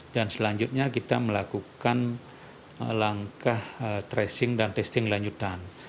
dan selanjutnya kita melakukan langkah tracing dan testing lanjutan